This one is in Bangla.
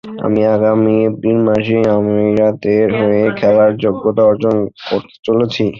আমি আগামী এপ্রিল-মে মাসেই আমিরাতের হয়ে খেলার যোগ্যতা অর্জন করতে চলেছি।